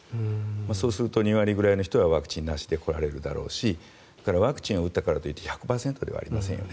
そうすると２割ぐらいの人はワクチンなしで来られるだろうし、それからワクチンを打ったからといって１００％ではありませんよね。